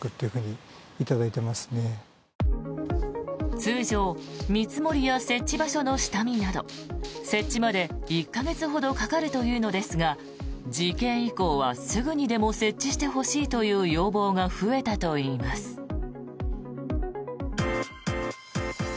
通常見積もりや設置場所の下見など設置まで１か月ほどかかるというのですが事件以降はすぐにでも設置してほしいという要望が増えたといいます。